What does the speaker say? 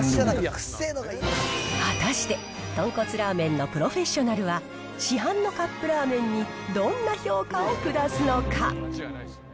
果たして、豚骨ラーメンのプロフェッショナルは、市販のカップラーメンにどんな評価を下すのか。